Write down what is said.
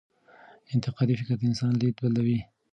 انتقادي فکر د انسان لید بدلوي.